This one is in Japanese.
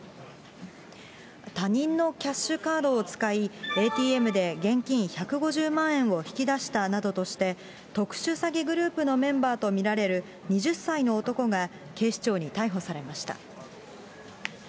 他人のキャッシュカードを使い、ＡＴＭで現金１５０万円を引き出したなどとして、特殊詐欺グループのメンバーと見られる２０歳の男が警視庁に逮捕されました。